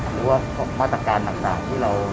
ขอขอมวตนการต่างที่เรา